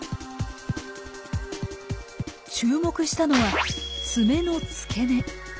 注目したのはツメの付け根。